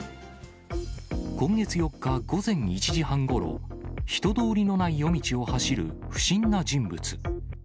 今月４日午前１時半ごろ、人通りのない夜道を走る不審な人物。